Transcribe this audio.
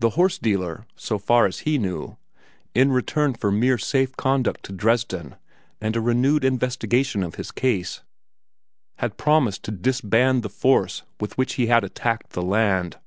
The horse dealer, so far as he knew, in return for mere safe conduct to Dresden and a renewed investigation of his case, had promised to disband the force with which he had attacked the land.